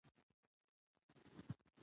خدمت باید د کیفیت معیارونه ولري.